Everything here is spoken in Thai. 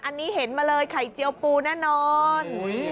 อันนี้เห็นมาเลยไข่เจียวปูแน่นอน